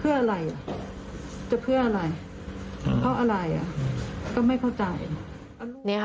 เพื่ออะไรจะเพื่ออะไรเพราะอะไรอ่ะก็ไม่เข้าใจ